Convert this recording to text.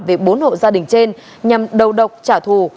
về bốn hộ gia đình trên nhằm đầu độc trả thù